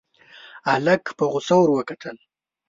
هلک په غوسه ور وکتل.